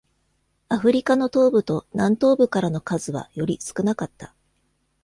アフリカの東部と南東部からの数はより少なかった。